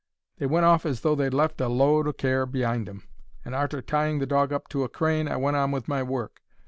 They went off as though they'd left a load o' care be'ind 'em, and arter tying the dog up to a crane I went on with my work.